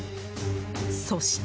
そして。